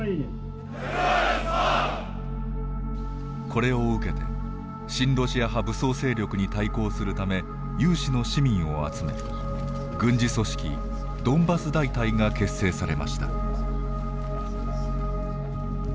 これを受けて親ロシア派武装勢力に対抗するため有志の市民を集め軍事組織ドンバス大隊が結成されました。